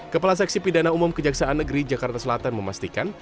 kepala seksi pidana umum kejaksaan negeri jakarta selatan memastikan